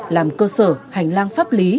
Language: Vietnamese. làm cơ sở hành lang pháp lý